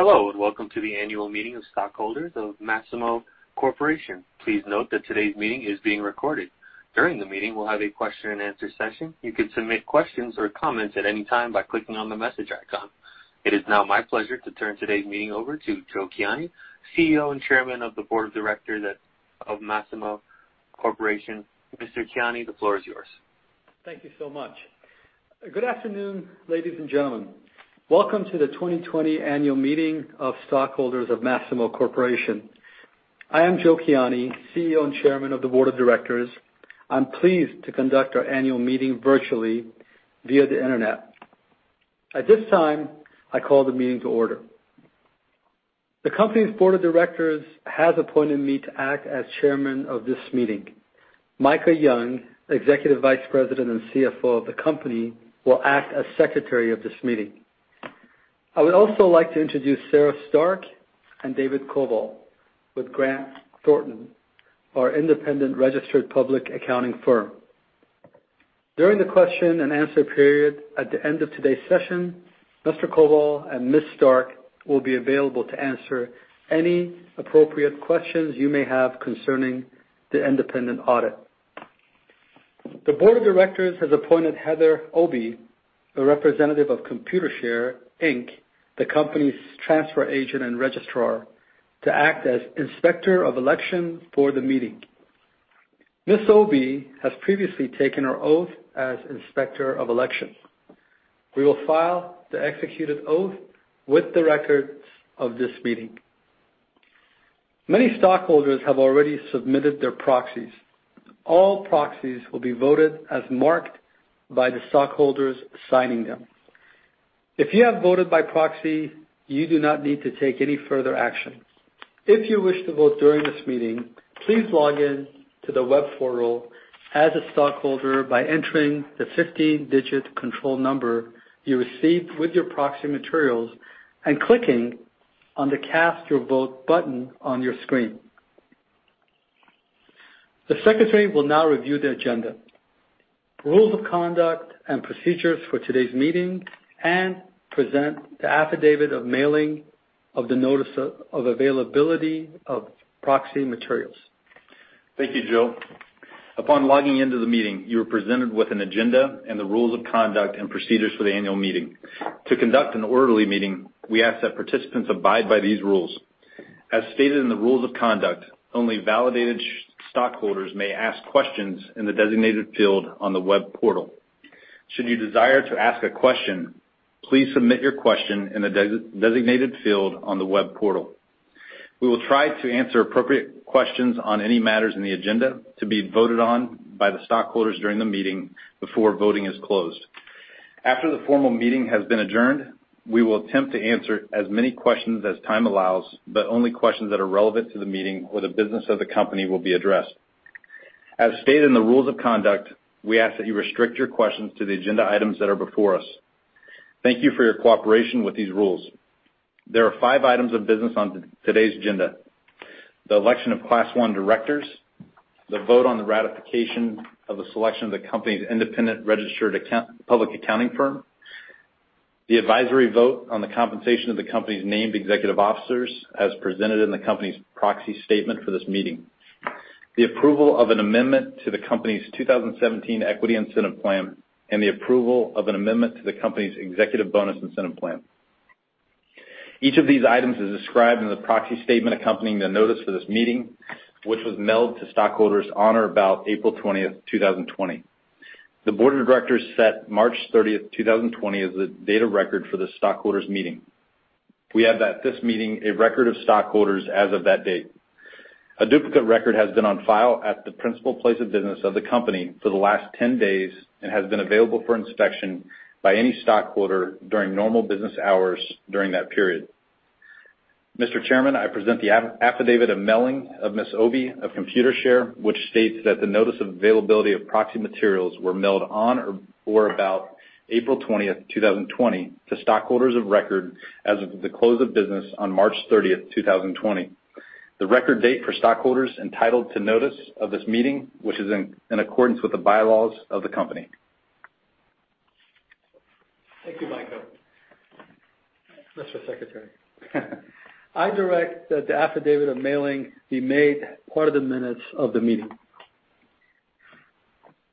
Hello, and welcome to the annual meeting of stockholders of Masimo Corporation. Please note that today's meeting is being recorded. During the meeting, we'll have a question-and-answer session. You can submit questions or comments at any time by clicking on the message icon. It is now my pleasure to turn today's meeting over to Joe Kiani, CEO and Chairman of the Board of Directors of Masimo Corporation. Mr. Kiani, the floor is yours. Thank you so much. Good afternoon, ladies and gentlemen. Welcome to the 2020 annual meeting of stockholders of Masimo Corporation. I am Joe Kiani, CEO and Chairman of the Board of Directors. I'm pleased to conduct our annual meeting virtually via the internet. At this time, I call the meeting to order. The company's Board of Directors has appointed me to act as Chairman of this meeting. Micah Young, Executive Vice President and CFO of the company, will act as Secretary of this meeting. I would also like to introduce Sarah Stark and David Koval with Grant Thornton, our independent registered public accounting firm. During the question and answer period at the end of today's session, Mr. Koval and Ms. Stark will be available to answer any appropriate questions you may have concerning the independent audit. The Board of Directors has appointed Heather Obi, a representative of Computershare, Inc., the company's transfer agent and registrar, to act as Inspector of Election for the meeting. Ms. Obi has previously taken her oath as Inspector of Elections. We will file the executed oath with the records of this meeting. Many stockholders have already submitted their proxies. All proxies will be voted as marked by the stockholders signing them. If you have voted by proxy, you do not need to take any further action. If you wish to vote during this meeting, please log in to the web portal as a stockholder by entering the 15-digit control number you received with your proxy materials and clicking on the Cast Your Vote button on your screen. The Secretary will now review the agenda, rules of conduct, and procedures for today's meeting and present the affidavit of mailing of the notice of availability of proxy materials. Thank you, Joe. Upon logging into the meeting, you were presented with an agenda and the rules of conduct and procedures for the annual meeting. To conduct an orderly meeting, we ask that participants abide by these rules. As stated in the rules of conduct, only validated stockholders may ask questions in the designated field on the web portal. Should you desire to ask a question, please submit your question in the designated field on the web portal. We will try to answer appropriate questions on any matters in the agenda to be voted on by the stockholders during the meeting before voting is closed. After the formal meeting has been adjourned, we will attempt to answer as many questions as time allows, but only questions that are relevant to the meeting or the business of the company will be addressed. As stated in the rules of conduct, we ask that you restrict your questions to the agenda items that are before us. Thank you for your cooperation with these rules. There are five items of business on today's agenda. The election of Class I Directors, the vote on the ratification of the selection of the company's independent registered public accounting firm, the advisory vote on the compensation of the company's named executive officers as presented in the company's proxy statement for this meeting, the approval of an amendment to the company's 2017 equity incentive plan, and the approval of an amendment to the company's executive bonus incentive plan. Each of these items is described in the proxy statement accompanying the notice for this meeting, which was mailed to stockholders on or about April 20th, 2020. The Board of Directors set March 30th, 2020, as the date of record for the stockholders' meeting. We have at this meeting a record of stockholders as of that date. A duplicate record has been on file at the principal place of business of the company for the last 10 days and has been available for inspection by any stockholder during normal business hours during that period. Mr. Chairman, I present the affidavit of mailing of Ms. Obi of Computershare, which states that the notice of availability of proxy materials were mailed on or about April 20th, 2020, to stockholders of record as of the close of business on March 30th, 2020, the record date for stockholders entitled to notice of this meeting, which is in accordance with the bylaws of the company. Thank you, Micah. Mr. Secretary. I direct that the affidavit of mailing be made part of the minutes of the meeting.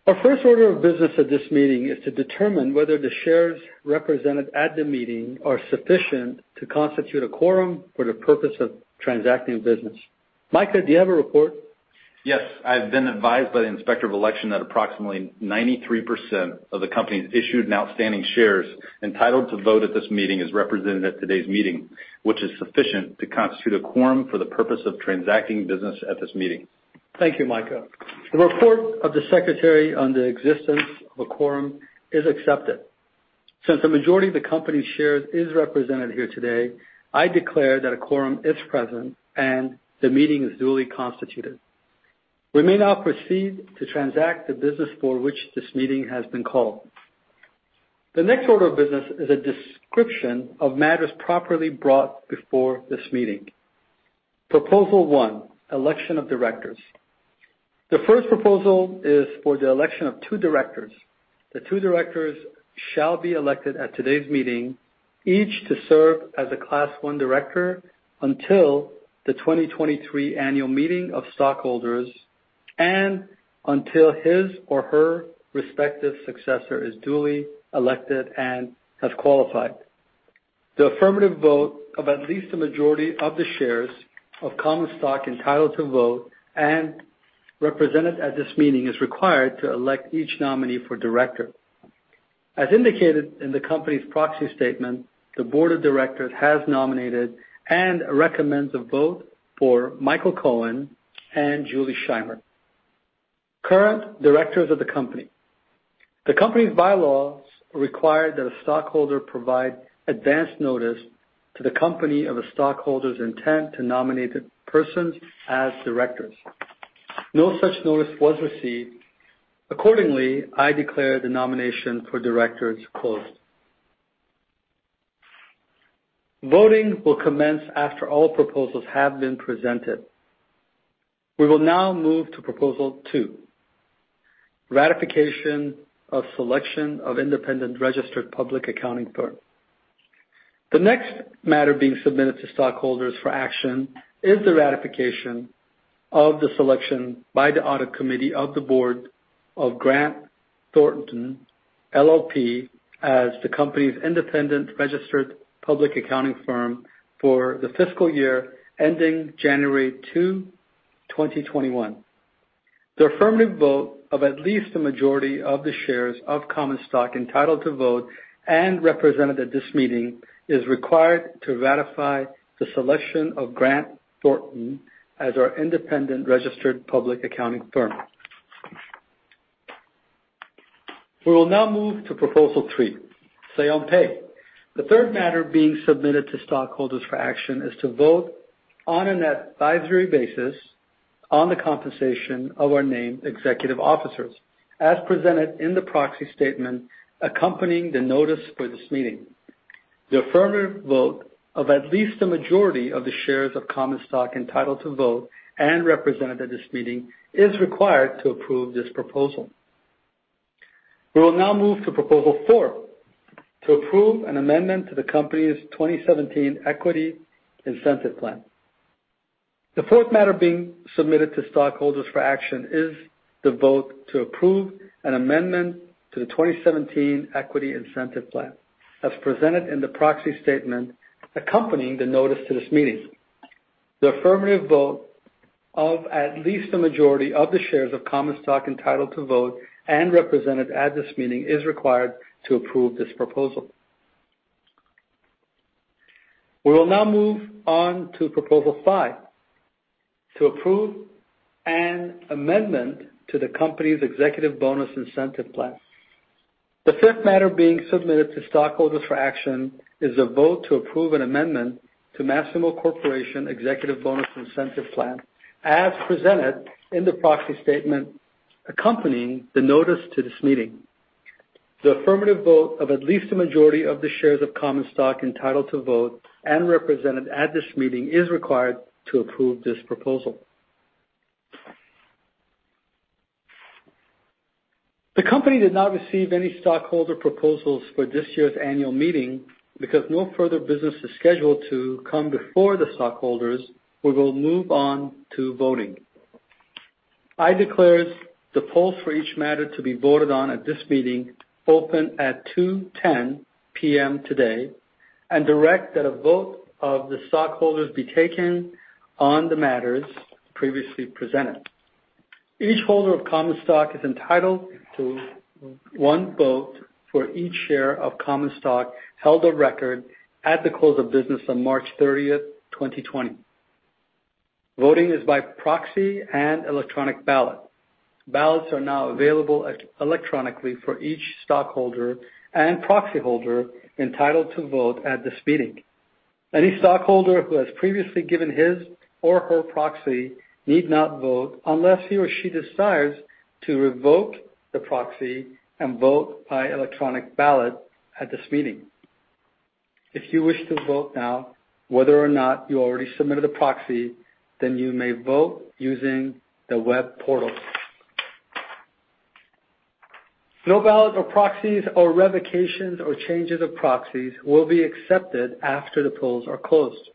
Our first order of business at this meeting is to determine whether the shares represented at the meeting are sufficient to constitute a quorum for the purpose of transacting business. Micah, do you have a report? Yes. I've been advised by the Inspector of Elections that approximately 93% of the company's issued and outstanding shares entitled to vote at this meeting is represented at today's meeting, which is sufficient to constitute a quorum for the purpose of transacting business at this meeting. Thank you, Micah. The report of the Secretary on the existence of a quorum is accepted. Since a majority of the company's shares is represented here today, I declare that a quorum is present, and the meeting is duly constituted. We may now proceed to transact the business for which this meeting has been called. The next order of business is a description of matters properly brought before this meeting. Proposal 1: Election of Directors. The first proposal is for the election of two Directors. The two Directors shall be elected at today's meeting, each to serve as a Class I Director until the 2023 annual meeting of stockholders and until his or her respective successor is duly elected and has qualified. The affirmative vote of at least a majority of the shares of common stock entitled to vote and represented at this meeting is required to elect each nominee for Director. As indicated in the company's proxy statement, the Board of Directors has nominated and recommends a vote for Michael Cohen and Julie Shimer, current Directors of the company. The company's bylaws require that a stockholder provide advance notice to the company of a stockholder's intent to nominate persons as Directors. No such notice was received. Accordingly, I declare the nomination for Directors closed. Voting will commence after all proposals have been presented. We will now move to Proposal 2, ratification of the selection of an independent registered public accounting firm. The next matter being submitted to stockholders for action is the ratification of the selection by the audit committee of the board of Grant Thornton LLP as the company's independent registered public accounting firm for the fiscal year ending January 2, 2021. The affirmative vote of at least a majority of the shares of common stock entitled to vote and represented at this meeting is required to ratify the selection of Grant Thornton as our independent registered public accounting firm. We will now move to Proposal 3, say on pay. The third matter being submitted to stockholders for action is to vote on an advisory basis on the compensation of our named executive officers as presented in the proxy statement accompanying the notice for this meeting. The affirmative vote of at least a majority of the shares of common stock entitled to vote and represented at this meeting is required to approve this proposal. We will now move to Proposal 4, to approve an amendment to the company's 2017 equity incentive plan. The fourth matter being submitted to stockholders for action is the vote to approve an amendment to the 2017 equity incentive plan as presented in the proxy statement accompanying the notice to this meeting. The affirmative vote of at least a majority of the shares of common stock entitled to vote and represented at this meeting is required to approve this proposal. We will now move on to Proposal 5, to approve an amendment to the company's executive bonus incentive plan. The fifth matter being submitted to stockholders for action is a vote to approve an amendment to the Masimo Corporation executive bonus incentive plan as presented in the proxy statement accompanying the notice to this meeting. The affirmative vote of at least a majority of the shares of common stock entitled to vote and represented at this meeting is required to approve this proposal. The company did not receive any stockholder proposals for this year's annual meeting. Because no further business is scheduled to come before the stockholders, we will move on to voting. I declare the polls for each matter to be voted on at this meeting open at 2:10 P.M. today and direct that a vote of the stockholders be taken on the matters previously presented. Each holder of common stock is entitled to one vote for each share of common stock held of record at the close of business on March 30, 2020. Voting is by proxy and electronic ballot. Ballots are now available electronically for each stockholder and proxy holder entitled to vote at this meeting. Any stockholder who has previously given his or her proxy need not vote unless he or she desires to revoke the proxy and vote by electronic ballot at this meeting. If you wish to vote now, whether or not you already submitted a proxy, you may vote using the web portal. No ballot, proxies, revocations, or changes of proxies will be accepted after the polls are closed.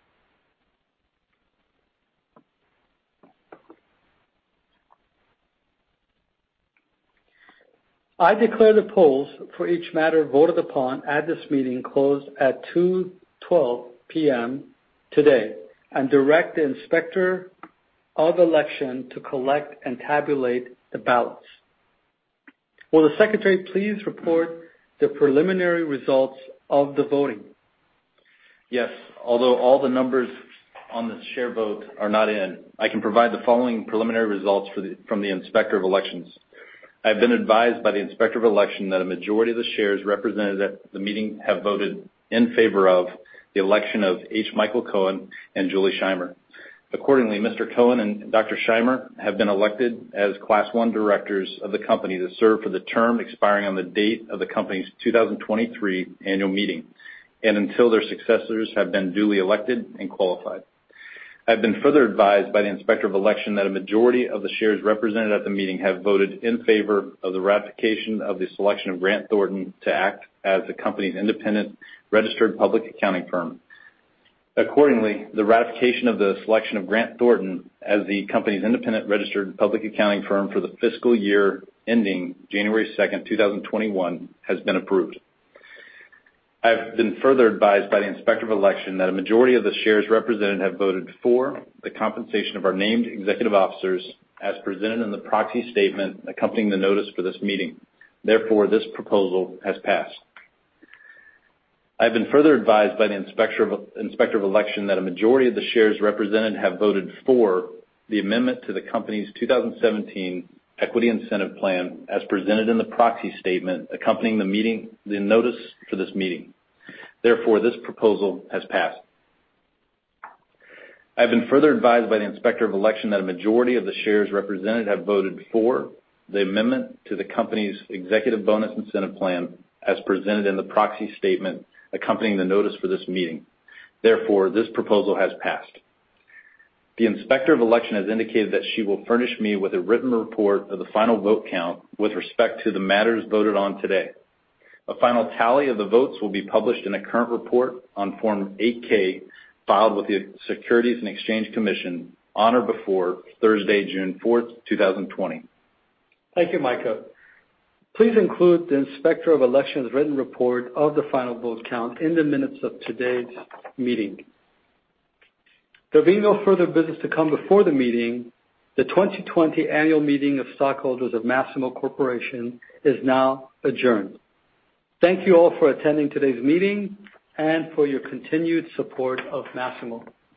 I declare the polls for each matter voted upon at this meeting closed at 2:12 P.M. today and direct the Inspector of Elections to collect and tabulate the ballots. Will the Secretary please report the preliminary results of the voting? Yes. Although all the numbers on the share vote are not in, I can provide the following preliminary results from the Inspector of Elections. I've been advised by the Inspector of Elections that a majority of the shares represented at the meeting have voted in favor of the election of H. Michael Cohen and Julie Shimer. Accordingly, Mr. Cohen and Dr. Shimer have been elected as Class I Directors of the company to serve for the term expiring on the date of the company's 2023 annual meeting and until their successors have been duly elected and qualified. I've been further advised by the Inspector of Elections that a majority of the shares represented at the meeting have voted in favor of the ratification of the selection of Grant Thornton to act as the company's independent registered public accounting firm. Accordingly, the ratification of the selection of Grant Thornton as the company's independent registered public accounting firm for the fiscal year ending January 2nd, 2021, has been approved. I've been further advised by the Inspector of Elections that a majority of the shares represented have voted for the compensation of our named executive officers as presented in the proxy statement accompanying the notice for this meeting. Therefore, this proposal has passed. I've been further advised by the Inspector of Elections that a majority of the shares represented have voted for the amendment to the company's 2017 equity incentive plan as presented in the proxy statement accompanying the notice for this meeting. Therefore, this proposal has passed. I've been further advised by the Inspector of Elections that a majority of the shares represented have voted for the amendment to the company's executive bonus incentive plan as presented in the proxy statement accompanying the notice for this meeting. This proposal has passed. The Inspector of Elections has indicated that she will furnish me with a written report of the final vote count with respect to the matters voted on today. A final tally of the votes will be published in a current report on Form 8-K filed with the Securities and Exchange Commission on or before Thursday, June 4th, 2020. Thank you, Micah. Please include the Inspector of Election's written report of the final vote count in the minutes of today's meeting. There being no further business to come before the meeting, the 2020 annual meeting of stockholders of Masimo Corporation is now adjourned. Thank you all for attending today's meeting and for your continued support of Masimo.